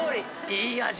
いい味。